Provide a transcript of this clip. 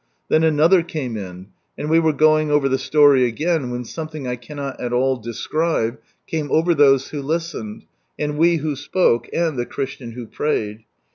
Then another came in, and we were going over the slory again wheti something I cannot at all describe came over those who listened, and we who spoke, and the Christian who prayed.